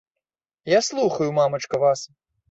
Я слухаю, мамачка, вас.